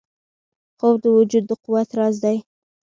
خوب د وجود د قوت راز دی